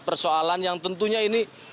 persoalan yang tentunya ini